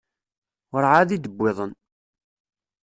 Werɛad i d-wwiḍen.